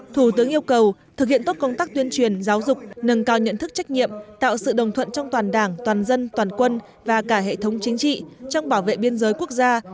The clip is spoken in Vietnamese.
thủ tướng yêu cầu thực hiện tốt công tác tuyên truyền giáo dục nâng cao nhận thức trách nhiệm tạo sự đồng thuận trong toàn đảng toàn dân toàn quân và cả hệ thống chính trị trong bảo vệ biên giới quốc gia